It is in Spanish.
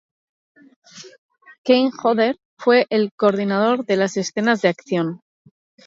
Kane Hodder fue el coordinador de las escenas de acción.